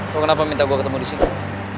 kok kenapa minta gue ketemu di sini